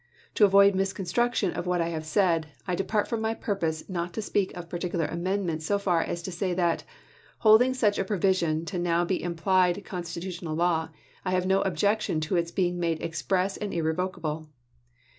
To avoid miscon struction of what I have said, I depart from my purpose not to speak of particular amendments so far as to say that, holding such a provision to now be implied constitutional law, I have no objection to its being made express and irrevocable."